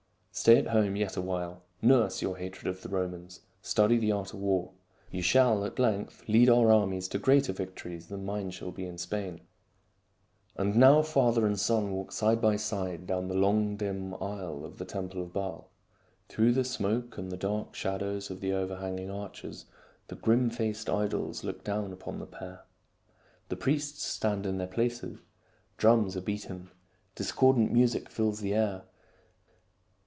Stay at home yet a while ; nurse your hatred of the Romans ; study the art of war. You shall at length lead our armies to greater victories than mine shall be in Spain." HANNIBAL, THE HERO OF CARTHAGE 207 And now father and son walk side by side down the long dim aisle of the temple of Baal. Through the smoke and the dark shadows of the overhang ing arches, the grim faced idols look down upon the pair. The priests stand in their places. Drums are beaten. Discordant music fills the air.